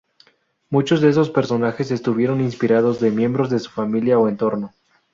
Muchos de esos personajes estuvieron inspirados de miembros de su familia o entorno.